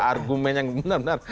argumen yang benar benar